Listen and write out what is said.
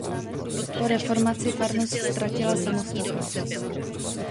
Po reformaci farnost ztratila samostatnost.